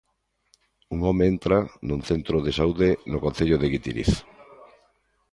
Un home entra nun centro de saúde no concello de Guitiriz.